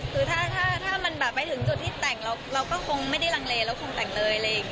คือถ้ามันไปถึงจุดที่แต่งเราก็คงไม่ได้รังเลเราคงแต่งเลย